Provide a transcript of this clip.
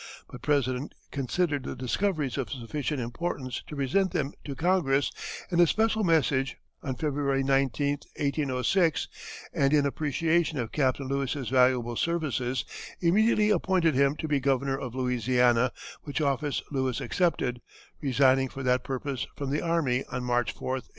The President considered the discoveries of sufficient importance to present them to Congress in a special message, on February 19, 1806, and in appreciation of Captain Lewis's valuable services, immediately appointed him to be Governor of Louisiana, which office Lewis accepted, resigning for that purpose from the army on March 4, 1807.